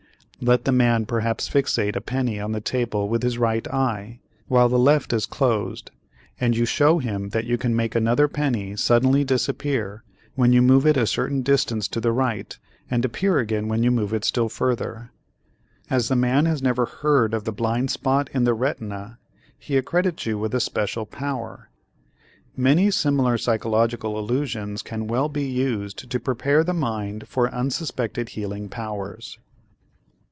Let the man perhaps fixate a penny on the table with his right eye, while the left is closed and you show him that you can make another penny suddenly disappear when you move it a certain distance to the right and appear again when you move it still further. As the man has never heard of the blind spot in the retina, he accredits you with a special power. Many similar psychological illusions can well be used to prepare the mind for unsuspected healing powers.